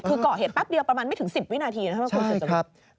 คือก่อเหตุแป๊บเดียวประมาณไม่ถึง๑๐วินาทีนะครับคุณสืบสกุล